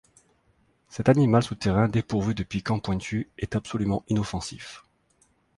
Cet animal souterrain dépourvu de piquants pointus est absolument inoffensif.